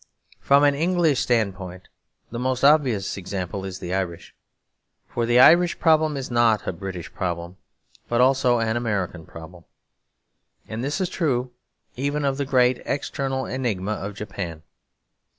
From an English standpoint the most obvious example is the Irish; for the Irish problem is not a British problem, but also an American problem. And this is true even of the great external enigma of Japan.